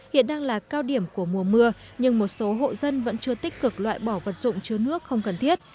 hiện đang là cao điểm của mùa mưa nhưng một số hộ dân vẫn chưa tích cực loại bỏ vật dụng chứa nước không cần thiết